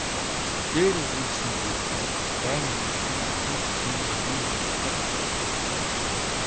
Дээр өгүүлсэн зүйл бол дайн эхэлсэн анхны жилийн нэгэн дуртгал билээ.